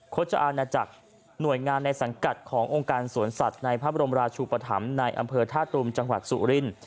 โชชอาณาจักรหน่วยงานในสังกัดขององค์การสวนสัตว์ในพระบรมราชุปธรรมในอำเภอท่าตุมจังหวัดสุรินทร์